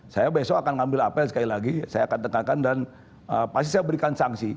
saya besok akan ngambil apel sekali lagi saya akan tekankan dan pasti saya berikan sanksi